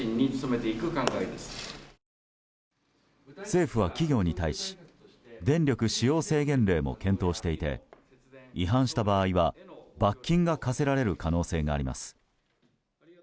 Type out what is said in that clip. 政府は企業に対し電力使用制限令も検討していて違反した場合は罰金が科せられる可能性があります。